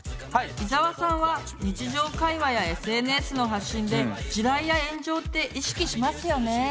伊沢さんは日常会話やＳＮＳの発信で「地雷」や「炎上」って意識しますよね。